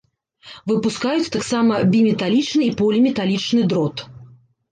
Выпускаюць таксама біметалічны і поліметалічны дрот.